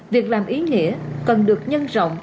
việc làm ý nghĩa cần được nhân rộng